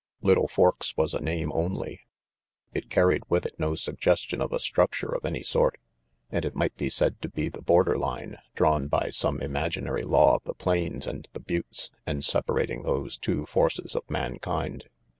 Little Forks was a name only. It carried with it no suggestion of a structure of any sort, and it might be said to be the border line, drawn by some imaginary law of the plains and the buttes and separating those two forces of mankind.